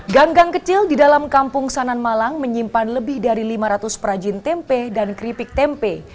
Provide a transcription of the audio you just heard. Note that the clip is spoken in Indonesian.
gang gang kecil di dalam kampung sanan malang menyimpan lebih dari lima ratus perajin tempe dan keripik tempe